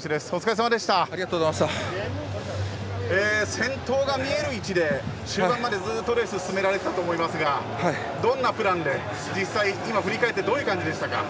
先頭が見える位置で終盤までずっとレースを進められてたと思いますがどんなプランで実際振り返ってどんな感じでしたか。